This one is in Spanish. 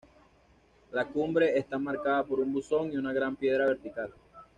La cumbre está marcada por un buzón y una gran piedra vertical.